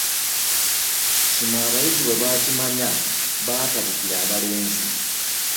Kino abayizzi bwe baakimanya baatabukira abalenzi